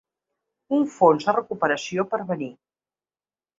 Un fons de recuperació per venir.